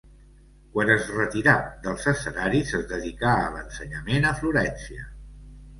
Quan es retirà dels escenaris es dedicà a l'ensenyament a Florència.